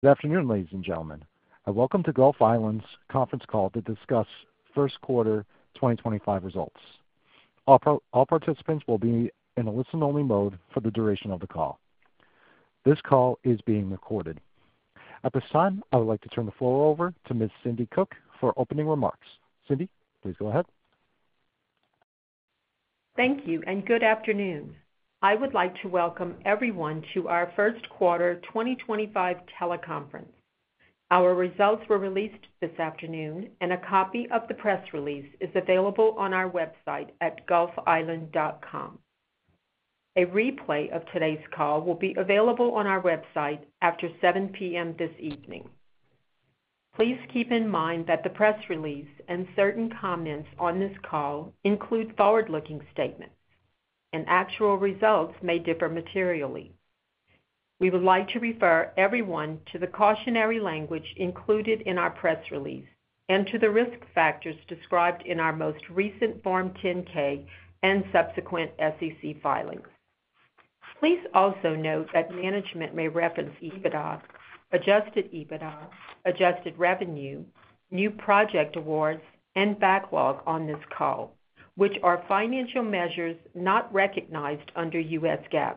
Good afternoon, ladies and gentlemen. Welcome to Gulf Island's conference call to discuss first quarter 2025 results. All participants will be in a listen-only mode for the duration of the call. This call is being recorded. At this time, I would like to turn the floor over to Ms. Cindi Cook for opening remarks. Cindi, please go ahead. Thank you, and good afternoon. I would like to welcome everyone to our first quarter 2025 teleconference. Our results were released this afternoon, and a copy of the press release is available on our website at gulfisland.com. A replay of today's call will be available on our website after 7:00 P.M. this evening. Please keep in mind that the press release and certain comments on this call include forward-looking statements, and actual results may differ materially. We would like to refer everyone to the cautionary language included in our press release and to the risk factors described in our most recent Form 10-K and subsequent SEC filings. Please also note that management may reference EBITDA, Adjusted EBITDA, adjusted revenue, new project awards, and backlog on this call, which are financial measures not recognized under U.S. GAAP.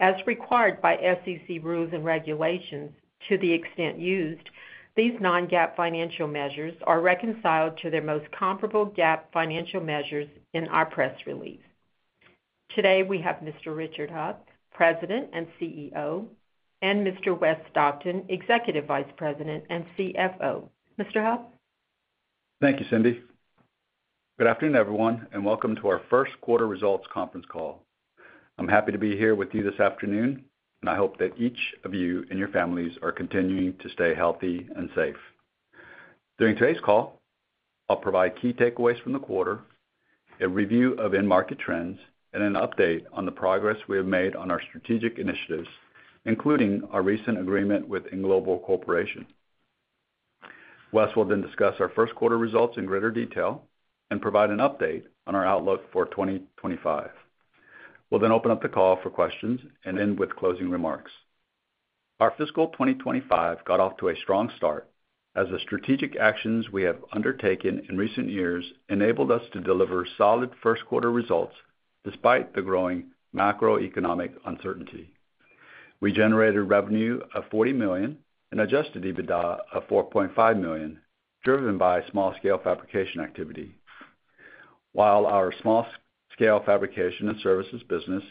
As required by SEC rules and regulations to the extent used, these non-GAAP financial measures are reconciled to their most comparable GAAP financial measures in our press release. Today, we have Mr. Richard Heo, President and CEO, and Mr. West Stockton, Executive Vice President and CFO. Mr. Heo? Thank you, Cindi. Good afternoon, everyone, and welcome to our first quarter results conference call. I'm happy to be here with you this afternoon, and I hope that each of you and your families are continuing to stay healthy and safe. During today's call, I'll provide key takeaways from the quarter, a review of in-market trends, and an update on the progress we have made on our strategic initiatives, including our recent agreement with Englobal Corporation. West will then discuss our first quarter results in greater detail and provide an update on our outlook for 2025. We'll then open up the call for questions and end with closing remarks. Our fiscal 2025 got off to a strong start as the strategic actions we have undertaken in recent years enabled us to deliver solid first quarter results despite the growing macroeconomic uncertainty. We generated revenue of $40 million and Adjusted EBITDA of $4.5 million, driven by small-scale fabrication activity. While our small-scale fabrication and services business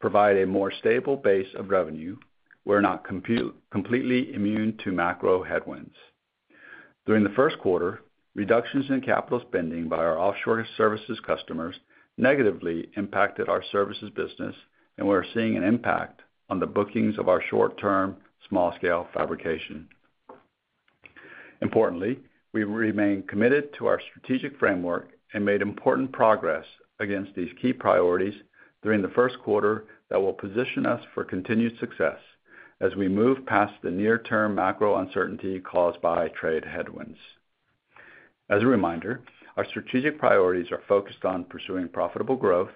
provides a more stable base of revenue, we're not completely immune to macro headwinds. During the first quarter, reductions in capital spending by our offshore services customers negatively impacted our services business, and we're seeing an impact on the bookings of our short-term small-scale fabrication. Importantly, we remain committed to our strategic framework and made important progress against these key priorities during the first quarter that will position us for continued success as we move past the near-term macro uncertainty caused by trade headwinds. As a reminder, our strategic priorities are focused on pursuing profitable growth,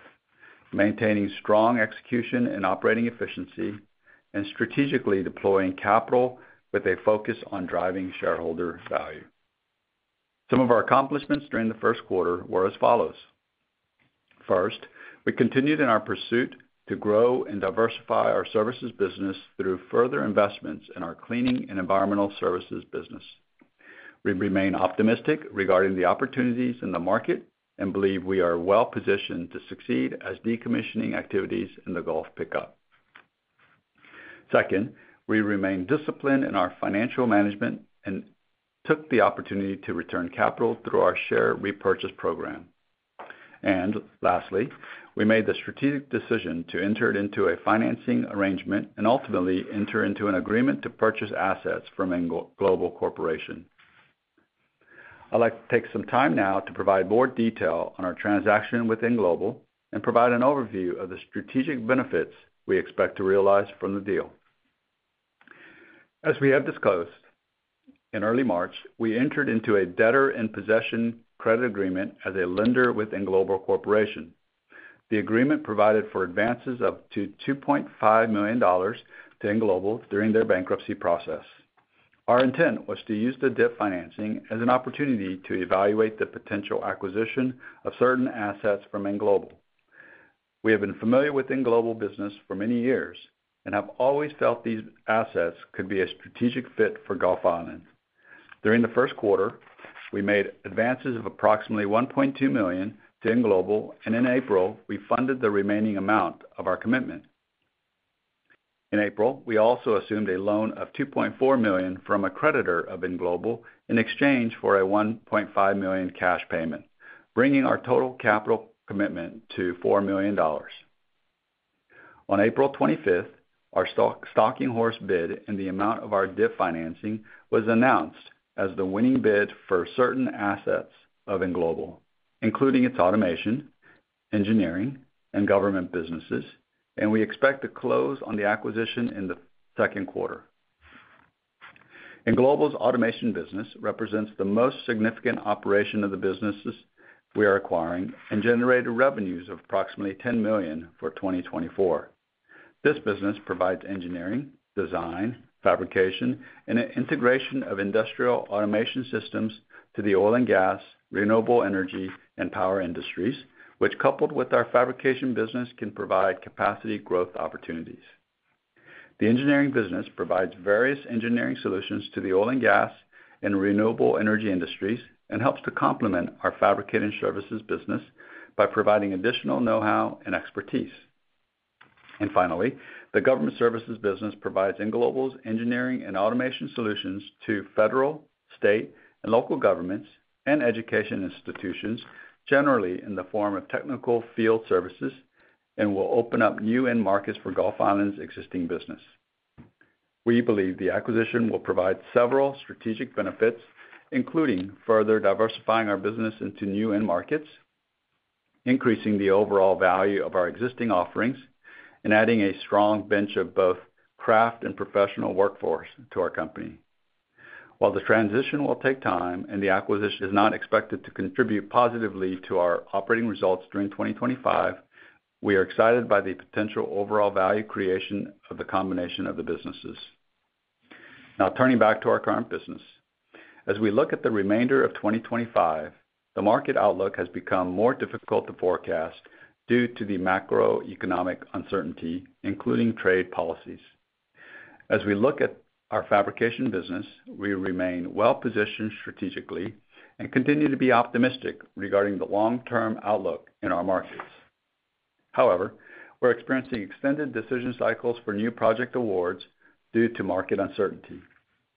maintaining strong execution and operating efficiency, and strategically deploying capital with a focus on driving shareholder value. Some of our accomplishments during the first quarter were as follows. First, we continued in our pursuit to grow and diversify our services business through further investments in our cleaning and environmental services business. We remain optimistic regarding the opportunities in the market and believe we are well-positioned to succeed as decommissioning activities in the Gulf pick up. Second, we remained disciplined in our financial management and took the opportunity to return capital through our share repurchase program. Lastly, we made the strategic decision to enter into a financing arrangement and ultimately enter into an agreement to purchase assets from Englobal Corporation. I'd like to take some time now to provide more detail on our transaction with Englobal and provide an overview of the strategic benefits we expect to realize from the deal. As we have disclosed, in early March, we entered into a debtor-in-possession credit agreement as a lender with Englobal Corporation. The agreement provided for advances up to $2.5 million to Englobal during their bankruptcy process. Our intent was to use the debt financing as an opportunity to evaluate the potential acquisition of certain assets from Englobal. We have been familiar with Englobal business for many years and have always felt these assets could be a strategic fit for Gulf Island. During the first quarter, we made advances of approximately $1.2 million to Englobal, and in April, we funded the remaining amount of our commitment. In April, we also assumed a loan of $2.4 million from a creditor of Englobal in exchange for a $1.5 million cash payment, bringing our total capital commitment to $4 million. On April 25th, our stalking horse bid and the amount of our debt financing was announced as the winning bid for certain assets of Englobal, including its automation, engineering, and government businesses, and we expect to close on the acquisition in the second quarter. Englobal's automation business represents the most significant operation of the businesses we are acquiring and generated revenues of approximately $10 million for 2024. This business provides engineering, design, fabrication, and an integration of industrial automation systems to the oil and gas, renewable energy, and power industries, which, coupled with our fabrication business, can provide capacity growth opportunities. The engineering business provides various engineering solutions to the oil and gas and renewable energy industries and helps to complement our fabricating services business by providing additional know-how and expertise. Finally, the government services business provides Englobal's engineering and automation solutions to federal, state, and local governments, and education institutions, generally in the form of technical field services, and will open up new end markets for Gulf Island's existing business. We believe the acquisition will provide several strategic benefits, including further diversifying our business into new end markets, increasing the overall value of our existing offerings, and adding a strong bench of both craft and professional workforce to our company. While the transition will take time and the acquisition is not expected to contribute positively to our operating results during 2025, we are excited by the potential overall value creation of the combination of the businesses. Now, turning back to our current business. As we look at the remainder of 2025, the market outlook has become more difficult to forecast due to the macroeconomic uncertainty, including trade policies. As we look at our fabrication business, we remain well-positioned strategically and continue to be optimistic regarding the long-term outlook in our markets. However, we're experiencing extended decision cycles for new project awards due to market uncertainty,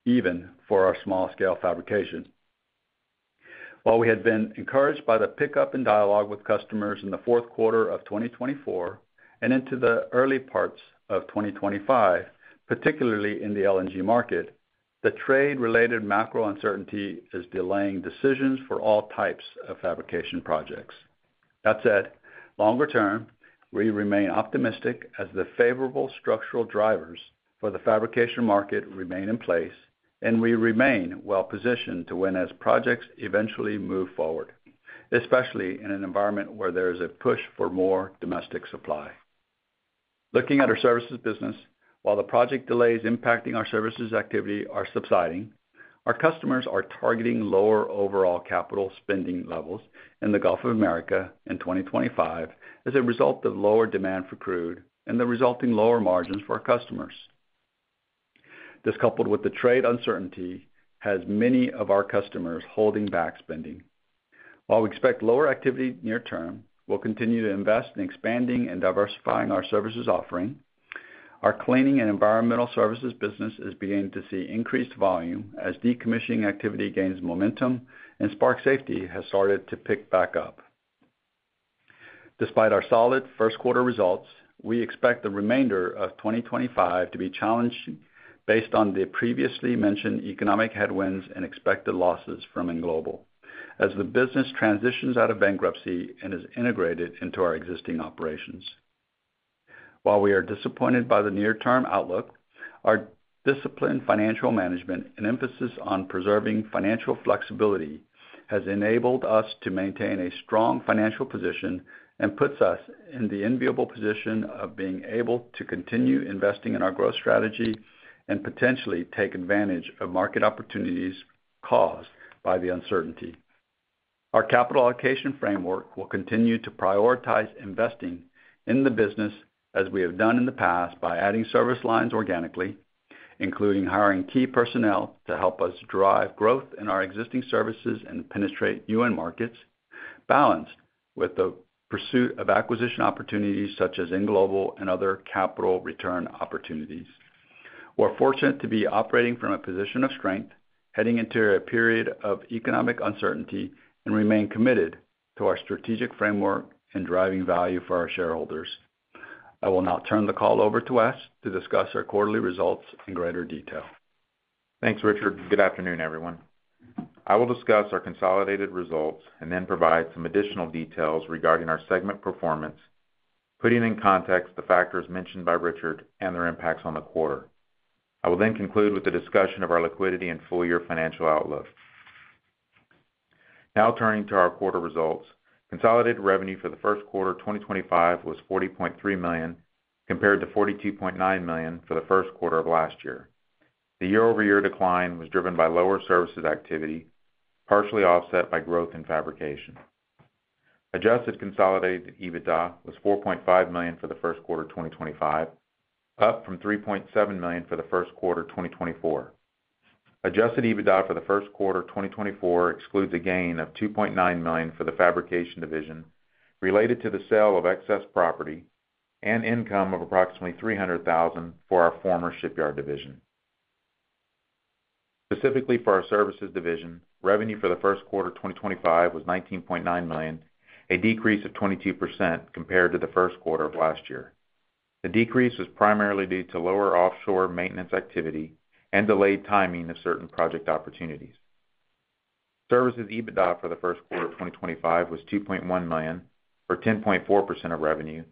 even for our small-scale fabrication. While we had been encouraged by the pickup and dialogue with customers in the fourth quarter of 2024 and into the early parts of 2025, particularly in the LNG market, the trade-related macro uncertainty is delaying decisions for all types of fabrication projects. That said, longer term, we remain optimistic as the favorable structural drivers for the fabrication market remain in place, and we remain well-positioned to win as projects eventually move forward, especially in an environment where there is a push for more domestic supply. Looking at our services business, while the project delays impacting our services activity are subsiding, our customers are targeting lower overall capital spending levels in the Gulf of Mexico in 2025 as a result of lower demand for crude and the resulting lower margins for our customers. This coupled with the trade uncertainty has many of our customers holding back spending. While we expect lower activity near term, we'll continue to invest in expanding and diversifying our services offering. Our cleaning and environmental services business is beginning to see increased volume as decommissioning activity gains momentum, and spark safety has started to pick back up. Despite our solid first quarter results, we expect the remainder of 2025 to be challenged based on the previously mentioned economic headwinds and expected losses from Englobal Corporation as the business transitions out of bankruptcy and is integrated into our existing operations. While we are disappointed by the near-term outlook, our disciplined financial management and emphasis on preserving financial flexibility has enabled us to maintain a strong financial position and puts us in the enviable position of being able to continue investing in our growth strategy and potentially take advantage of market opportunities caused by the uncertainty. Our capital allocation framework will continue to prioritize investing in the business as we have done in the past by adding service lines organically, including hiring key personnel to help us drive growth in our existing services and penetrate new markets, balanced with the pursuit of acquisition opportunities such as Englobal and other capital return opportunities. We're fortunate to be operating from a position of strength, heading into a period of economic uncertainty, and remain committed to our strategic framework and driving value for our shareholders. I will now turn the call over to West to discuss our quarterly results in greater detail. Thanks, Richard. Good afternoon, everyone. I will discuss our consolidated results and then provide some additional details regarding our segment performance, putting in context the factors mentioned by Richard and their impacts on the quarter. I will then conclude with the discussion of our liquidity and full-year financial outlook. Now, turning to our quarter results, consolidated revenue for the first quarter of 2025 was $40.3 million, compared to $42.9 million for the first quarter of last year. The year-over-year decline was driven by lower services activity, partially offset by growth in fabrication. Adjusted consolidated EBITDA was $4.5 million for the first quarter of 2025, up from $3.7 million for the first quarter of 2024. Adjusted EBITDA for the first quarter of 2024 excludes a gain of $2.9 million for the fabrication division related to the sale of excess property and income of approximately $300,000 for our former shipyard division. Specifically for our services division, revenue for the first quarter of 2024 was $19.9 million, a decrease of 22% compared to the first quarter of last year. The decrease was primarily due to lower offshore maintenance activity and delayed timing of certain project opportunities. Services EBITDA for the first quarter of 2024 was $2.1 million or 10.4% of revenue,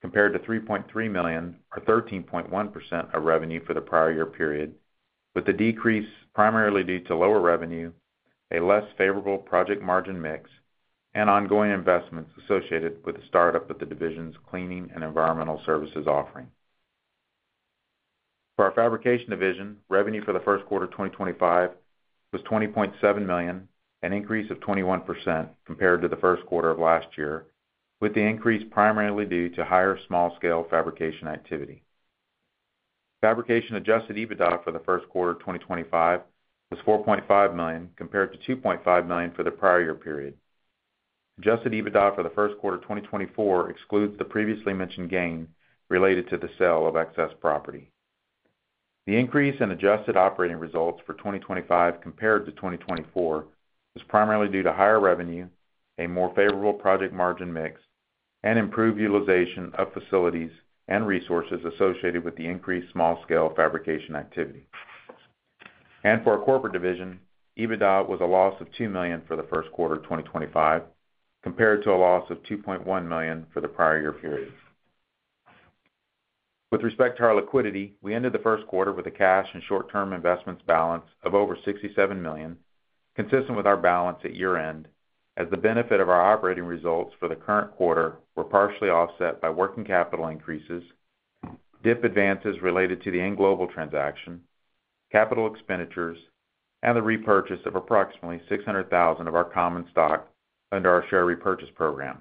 compared to $3.3 million or 13.1% of revenue for the prior year period, with the decrease primarily due to lower revenue, a less favorable project margin mix, and ongoing investments associated with the startup of the division's cleaning and environmental services offering. For our fabrication division, revenue for the first quarter of 2025 was $20.7 million, an increase of 21% compared to the first quarter of last year, with the increase primarily due to higher small-scale fabrication activity. Fabrication Adjusted EBITDA for the first quarter of 2025 was $4.5 million, compared to $2.5 million for the prior year period. Adjusted EBITDA for the first quarter of 2024 excludes the previously mentioned gain related to the sale of excess property. The increase in adjusted operating results for 2025 compared to 2024 was primarily due to higher revenue, a more favorable project margin mix, and improved utilization of facilities and resources associated with the increased small-scale fabrication activity. For our corporate division, EBITDA was a loss of $2 million for the first quarter of 2025, compared to a loss of $2.1 million for the prior year period. With respect to our liquidity, we ended the first quarter with a cash and short-term investments balance of over $67 million, consistent with our balance at year-end, as the benefit of our operating results for the current quarter were partially offset by working capital increases, debt advances related to the Englobal transaction, capital expenditures, and the repurchase of approximately $600,000 of our common stock under our share repurchase program.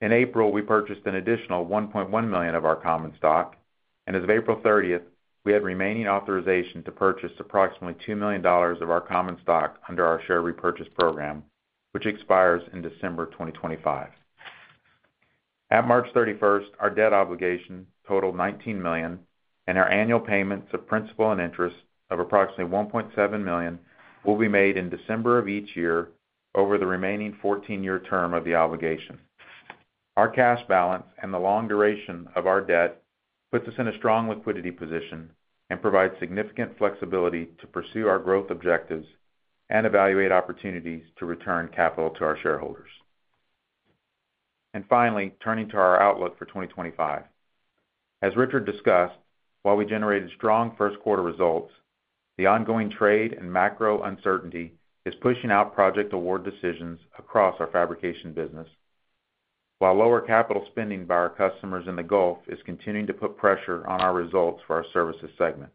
In April, we purchased an additional $1.1 million of our common stock, and as of April 30, we had remaining authorization to purchase approximately $2 million of our common stock under our share repurchase program, which expires in December 2025. At March 31, our debt obligation totaled $19 million, and our annual payments of principal and interest of approximately $1.7 million will be made in December of each year over the remaining 14-year term of the obligation. Our cash balance and the long duration of our debt puts us in a strong liquidity position and provides significant flexibility to pursue our growth objectives and evaluate opportunities to return capital to our shareholders. Finally, turning to our outlook for 2025. As Richard discussed, while we generated strong first quarter results, the ongoing trade and macro uncertainty is pushing out project award decisions across our fabrication business, while lower capital spending by our customers in the Gulf is continuing to put pressure on our results for our services segment.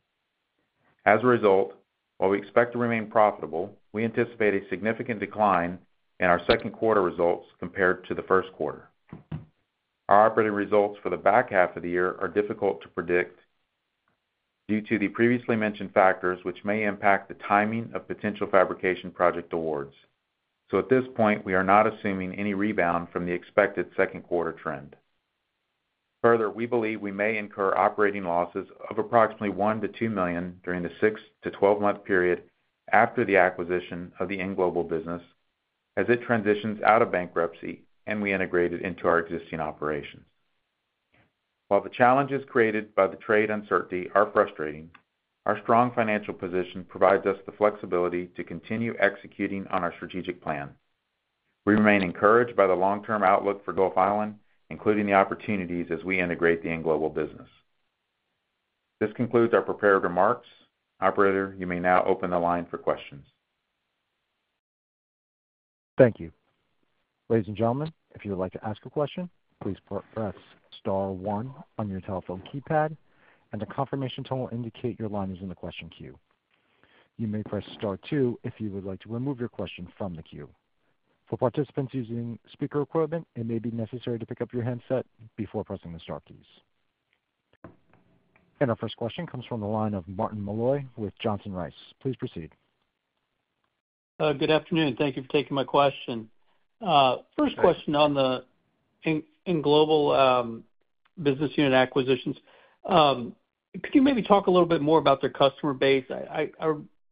As a result, while we expect to remain profitable, we anticipate a significant decline in our second quarter results compared to the first quarter. Our operating results for the back half of the year are difficult to predict due to the previously mentioned factors, which may impact the timing of potential fabrication project awards. At this point, we are not assuming any rebound from the expected second quarter trend. Further, we believe we may incur operating losses of approximately $1 million-$2 million during the six-12 month period after the acquisition of the Englobal business as it transitions out of bankruptcy and we integrate it into our existing operations. While the challenges created by the trade uncertainty are frustrating, our strong financial position provides us the flexibility to continue executing on our strategic plan. We remain encouraged by the long-term outlook for Gulf Island, including the opportunities as we integrate the Englobal business. This concludes our prepared remarks. Operator, you may now open the line for questions. Thank you. Ladies and gentlemen, if you would like to ask a question, please press star one on your telephone keypad, and a confirmation tone will indicate your line is in the question queue. You may press star two if you would like to remove your question from the queue. For participants using speaker equipment, it may be necessary to pick up your handset before pressing the star keys. Our first question comes from the line of Martin Malloy with Johnson Rice. Please proceed. Good afternoon. Thank you for taking my question. First question on the Englobal business unit acquisitions. Could you maybe talk a little bit more about their customer base? I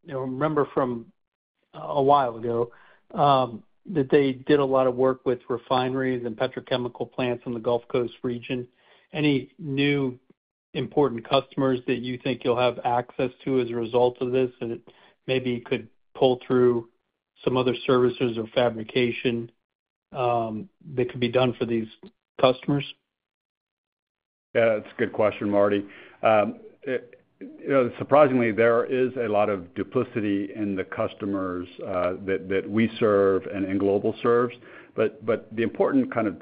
remember from a while ago that they did a lot of work with refineries and petrochemical plants in the Gulf Coast region. Any new important customers that you think you'll have access to as a result of this that maybe could pull through some other services or fabrication that could be done for these customers? Yeah, that's a good question, Marty. Surprisingly, there is a lot of duplicity in the customers that we serve and Englobal serves. The important kind of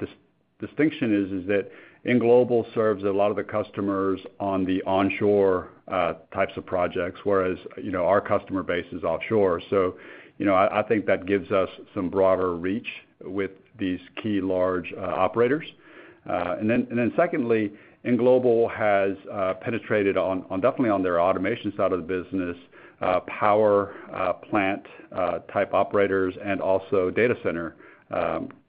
distinction is that Englobal serves a lot of the customers on the onshore types of projects, whereas our customer base is offshore. I think that gives us some broader reach with these key large operators. Secondly, Englobal has penetrated definitely on their automation side of the business, power plant type operators, and also data center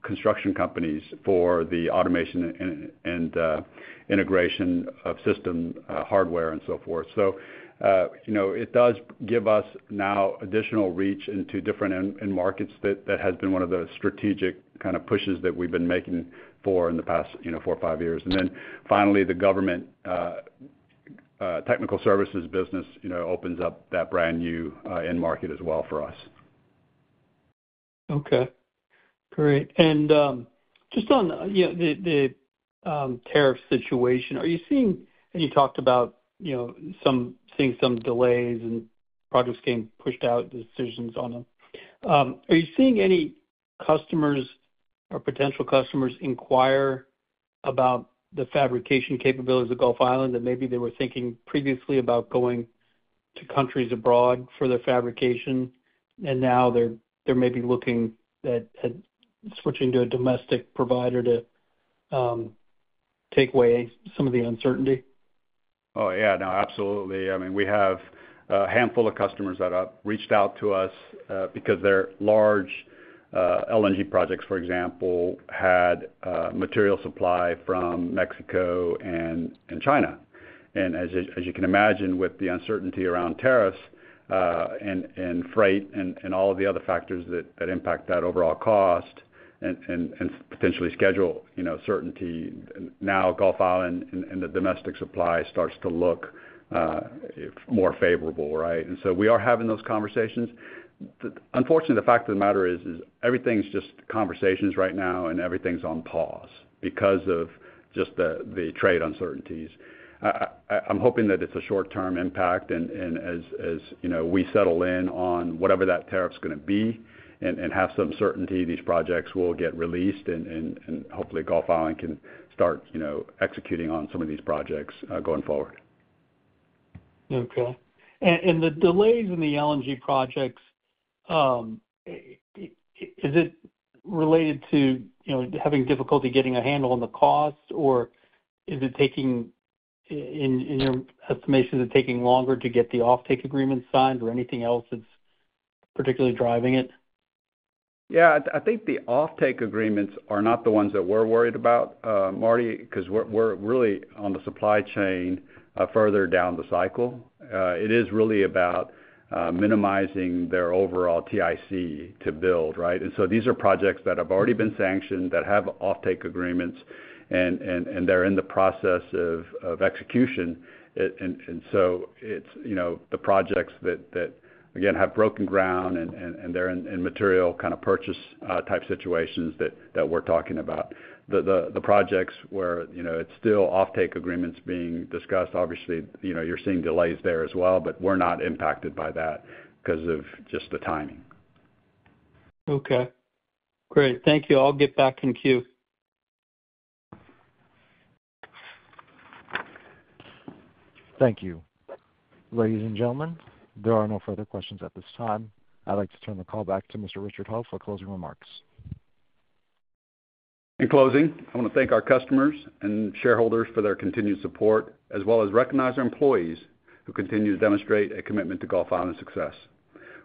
construction companies for the automation and integration of system hardware and so forth. It does give us now additional reach into different end markets that has been one of the strategic kind of pushes that we've been making for in the past four or five years. Finally, the government technical services business opens up that brand new end market as well for us. Okay. Great. Just on the tariff situation, are you seeing—you talked about seeing some delays and projects getting pushed out, decisions on them—are you seeing any customers or potential customers inquire about the fabrication capabilities of Gulf Island that maybe they were thinking previously about going to countries abroad for their fabrication, and now they're maybe looking at switching to a domestic provider to take away some of the uncertainty? Oh, yeah. No, absolutely. I mean, we have a handful of customers that have reached out to us because their large LNG projects, for example, had material supply from Mexico and China. As you can imagine, with the uncertainty around tariffs and freight and all of the other factors that impact that overall cost and potentially schedule uncertainty, now Gulf Island and the domestic supply starts to look more favorable, right? We are having those conversations. Unfortunately, the fact of the matter is everything's just conversations right now, and everything's on pause because of just the trade uncertainties. I'm hoping that it's a short-term impact, and as we settle in on whatever that tariff's going to be and have some certainty, these projects will get released, and hopefully, Gulf Island can start executing on some of these projects going forward. Okay. The delays in the LNG projects, is it related to having difficulty getting a handle on the cost, or is it taking—in your estimation, is it taking longer to get the offtake agreements signed or anything else that's particularly driving it? Yeah. I think the offtake agreements are not the ones that we're worried about, Marty, because we're really on the supply chain further down the cycle. It is really about minimizing their overall TIC to build, right? These are projects that have already been sanctioned, that have offtake agreements, and they're in the process of execution. It's the projects that, again, have broken ground, and they're in material kind of purchase type situations that we're talking about. The projects where it's still offtake agreements being discussed, obviously, you're seeing delays there as well, but we're not impacted by that because of just the timing. Okay. Great. Thank you. I'll get back in queue. Thank you. Ladies and gentlemen, there are no further questions at this time. I'd like to turn the call back to Mr. Richard Heo for closing remarks. In closing, I want to thank our customers and shareholders for their continued support, as well as recognize our employees who continue to demonstrate a commitment to Gulf Island success.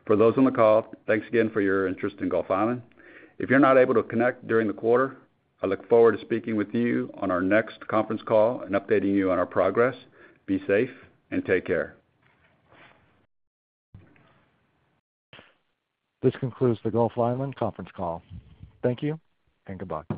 For those on the call, thanks again for your interest in Gulf Island. If you're not able to connect during the quarter, I look forward to speaking with you on our next conference call and updating you on our progress. Be safe and take care. This concludes the Gulf Island conference call. Thank you and goodbye.